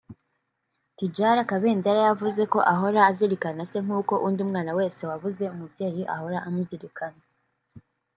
Tidjala Kabendera yavuze ko ahora azirikana se nkuko undi mwana wese wabuze umubyeyi ahora amuzirikana